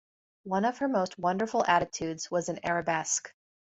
One of her most wonderful attitudes was an arabesque.